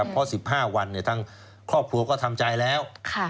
เพราะ๑๕วันทางครอบครัวก็ทำใจแล้ว